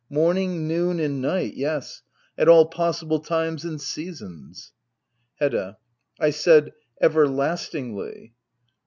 '] Morning, noon, and night, yes — at all possible times and seasons. Hedda. I said " everlastingly."